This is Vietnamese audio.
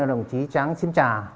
đồng chí tráng xín trà